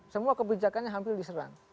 semua kebijakannya hampir diserang